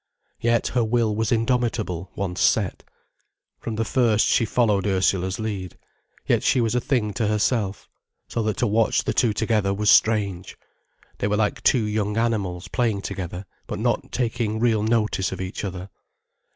Yet her will was indomitable, once set. From the first she followed Ursula's lead. Yet she was a thing to herself, so that to watch the two together was strange. They were like two young animals playing together but not taking real notice of each other.